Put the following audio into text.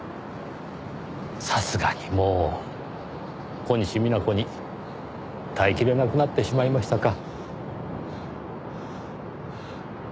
さすがにもう小西皆子に耐えきれなくなってしまいましたか。